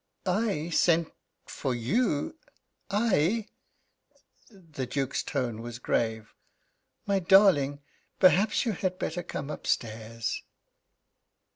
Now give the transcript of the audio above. "I sent for you I?" The Duke's tone was grave. "My darling, perhaps you had better come upstairs."